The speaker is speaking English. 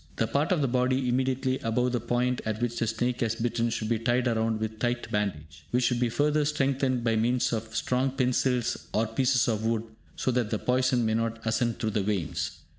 The part of the body immediately above the point at which the snake has bitten should be tied round with tight bandage, which should be further strengthened by means of strong pencils or pieces of wood, so that the poison may not ascend through the veins.